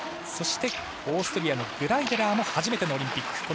そして、オーストリアのグライデラーも初めてのオリンピック。